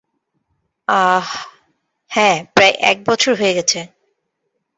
আহ, হ্যাঁ, প্রায় এক বছর হয়ে গেছে।